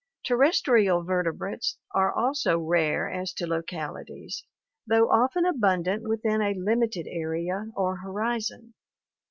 Terrestrial vertebrates are also rare as to localities, though often abundant within a limited area or horizon.